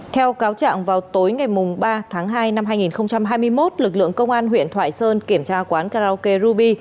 theo cáo trạng vào tối ngày ba tháng hai năm hai nghìn hai mươi một lực lượng công an huyện thoại sơn kiểm tra quán karaoke ruby